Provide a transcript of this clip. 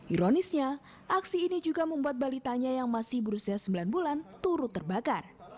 ironisnya aksi ini juga membuat balitanya yang masih berusia sembilan bulan turut terbakar